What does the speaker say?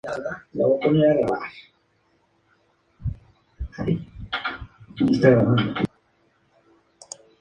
Estudió agronomía en la Universidad de Buenos Aires.